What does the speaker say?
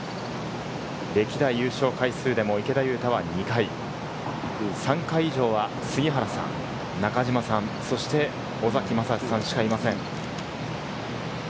歴代優勝回数でも池田勇太は２回、３回以上は杉原さん、中嶋さん、そして尾崎将司さんしかいません。